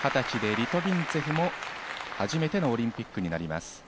２０歳でリトビンツェフも初めてのオリンピックになります。